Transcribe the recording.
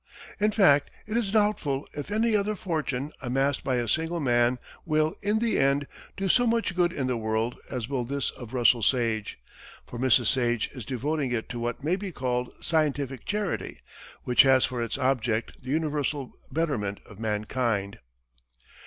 In fact, it is doubtful if any other fortune, amassed by a single man, will, in the end, do so much good in the world as will this of Russell Sage, for Mrs. Sage is devoting it to what may be called scientific charity, which has for its object the universal betterment of mankind.